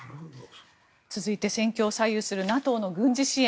続いて戦況を左右するＮＡＴＯの軍事支援。